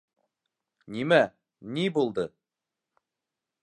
Нимә, ни булды?